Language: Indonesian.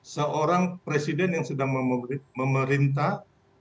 seorang presiden yang sedang memerintah